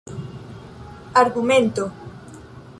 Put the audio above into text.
argumento